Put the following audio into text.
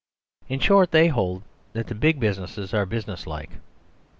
In short, they hold that the big businesses are businesslike.